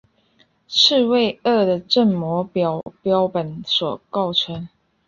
刺猬鳄的正模标本所构成。